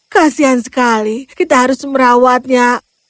kasian sekali kita harus merawatnya